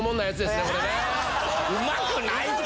うまくないだろ！